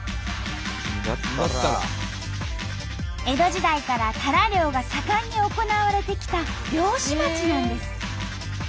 江戸時代からタラ漁が盛んに行われてきた漁師町なんです。